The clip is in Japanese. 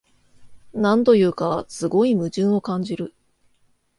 なんというか、すごい矛盾を感じる